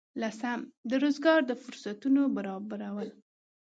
لسم: د روزګار د فرصتونو برابرول.